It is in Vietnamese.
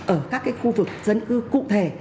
ở các cái khu vực dân cư cụ thể